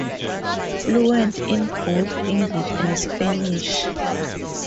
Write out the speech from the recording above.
Fluent in both English and Spanish.